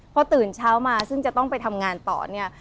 พอตื่นเช้ามาซึ่งจะต้องไปทำงานต่อเนี่ย